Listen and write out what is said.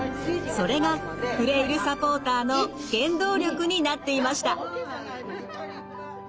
それがフレイルサポーターの原動力になっていました。